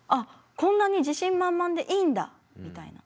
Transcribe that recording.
こんなに自信満々でいいんだみたいな。